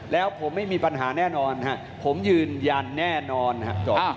แล้วผมไม่มีปัญหาแน่นอนครับผมยืนยันแน่นอนครับจบ